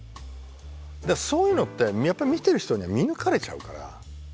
だからそういうのってやっぱり見ている人には見抜かれちゃうから。